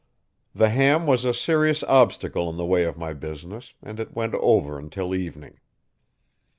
The ham was a serious obstacle in the way of my business and it went over until evening.